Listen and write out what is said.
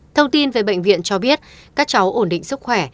thông tin về bệnh viện cho biết các cháu ổn định sức khỏe